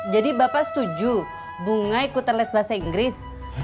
jadi bapak setuju bunga ikutan les bahasa inggris